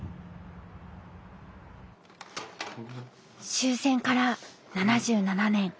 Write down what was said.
終戦から７７年。